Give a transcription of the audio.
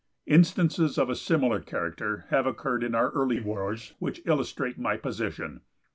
Instances of a similar character have occurred in our early wars which illustrate my position.